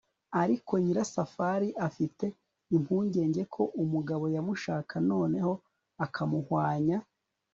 ariko nyirasafari afite impungenge ko umugabo yamushaka noneho akamuhwanya